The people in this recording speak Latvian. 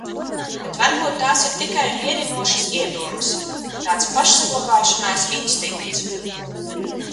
Bet varbūt tās ir tikai mierinošas iedomas, tāds pašsaglabāšanās instinkts.